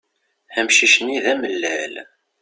Amcic-nni d amellal.